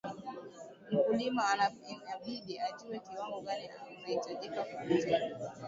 Mkulima anabidi ajue kiwango gani uhitajika na mteja